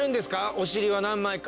おしりは何枚か。